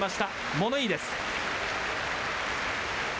物言いです。